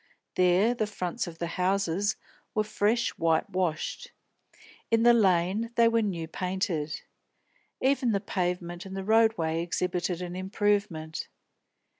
There the fronts of the houses were fresh white washed; in the Lane they were new painted. Even the pavement and the road way exhibited an improvement.